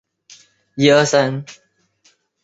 现任天然资源与环境部副部长。